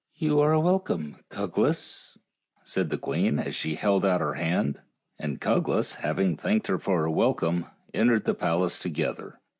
" You are welcome, Cuglas," said the queen, as she held out her hand, and Cuglas, having thanked her for her welcome, they entered the palace together.